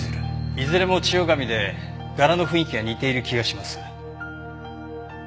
いずれも千代紙で柄の雰囲気が似ている気がします。